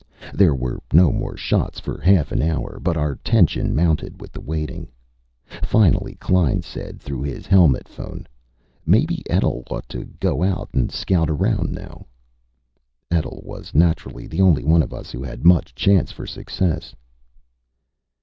There were no more shots for half an hour. But our tension mounted with the waiting. Finally Klein said through his helmet phone: "Maybe Etl ought to go out and scout around now." Etl was naturally the only one of us who had much chance for success.